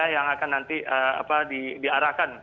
yang akan nanti diarahkan